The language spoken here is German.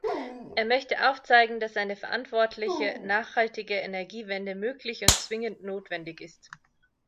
Er möchte aufzeigen, dass eine verantwortliche, nachhaltige Energiewende möglich und zwingend notwendig ist.